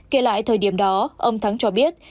kể lại thời điểm đó ông thắng cho biết